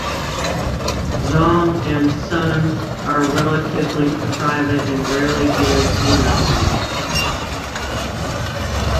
Zhong and Sun are relatively private and rarely give interviews.